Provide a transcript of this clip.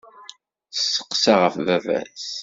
Tesseqsa ɣef baba-s.